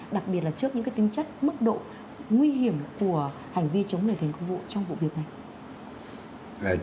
đặc biệt là trước những tính chất mức độ nguy hiểm của hành vi chống người thành công vụ trong vụ việc này